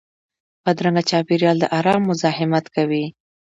بدرنګه چاپېریال د ارام مزاحمت کوي